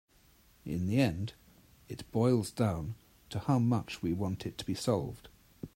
In the end it boils down to how much we want it to be solved.